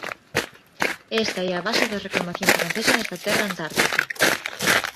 Esta é a base da reclamación francesa nesta terra antártica.